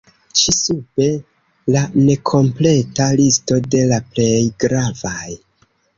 Ĉi sube la nekompleta listo de la plej gravaj.